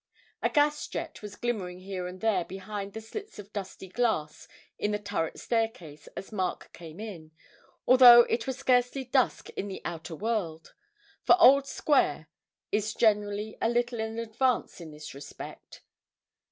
A gas jet was glimmering here and there behind the slits of dusty glass in the turret staircase as Mark came in, although it was scarcely dusk in the outer world; for Old Square is generally a little in advance in this respect.